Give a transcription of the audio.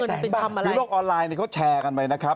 คือโลกออนไลน์เขาแชร์กันไปนะครับ